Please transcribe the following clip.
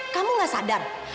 kamu gak sadar